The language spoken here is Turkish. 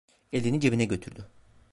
Elini cebine götürdü.